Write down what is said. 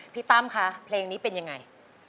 พี่ตำค่ะเพลงนี้เป็นยังไง